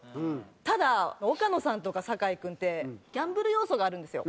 ただ岡野さんとか酒井君ってギャンブル要素があるんですよ。